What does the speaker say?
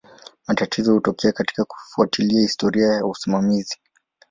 Matatizo hutokea katika kufuatilia historia ya usimamizi.